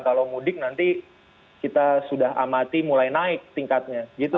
kalau mudik nanti kita sudah amati mulai naik tingkatnya